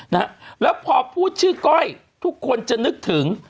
เนี่ยพอพูดชื่อก้อยทุกคนจะนึกถึง